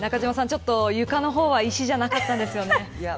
ちょっと床の方は石じゃなかったんですね。